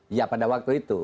iya pada waktu itu